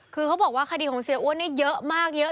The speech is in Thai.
คือเขาบอกว่าคดีของเสียอ้วนเนี่ยเยอะมากเยอะ